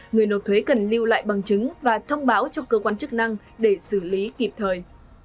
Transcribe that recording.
người nộp thuế cần lưu lại bằng chứng và thông báo cho cơ quan chức năng để xử lý kịp thời